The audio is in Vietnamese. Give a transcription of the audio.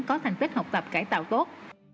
có thành tích học tập cải tạo tốt